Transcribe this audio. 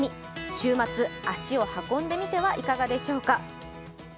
週末、足を運んでみてはいかがでしょうか。